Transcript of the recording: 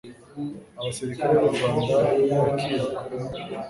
abasirikari b'u Rwanda bakiruka